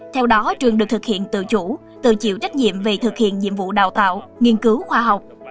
theo đó trường được thực hiện tự chủ tự chịu trách nhiệm về thực hiện nhiệm vụ đào tạo nghiên cứu khoa học